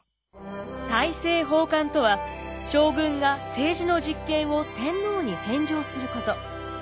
大政奉還とは将軍が政治の実権を天皇に返上すること。